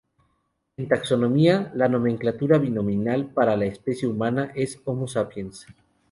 En taxonomía, la nomenclatura binomial para la especie humana es "Homo sapiens".